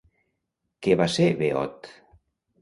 Què va ser Beot?